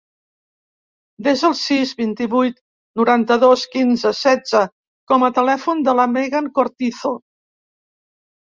Desa el sis, vint-i-vuit, noranta-dos, quinze, setze com a telèfon de la Megan Cortizo.